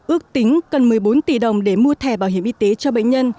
ước tính cần một mươi bốn tỷ đồng để mua thẻ bảo hiểm y tế cho bệnh nhân